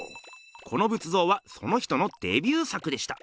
この仏像はその人のデビュー作でした。